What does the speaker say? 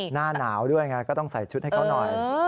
หน้าหนาวด้วยไงก็ต้องใส่ชุดให้เขาหน่อย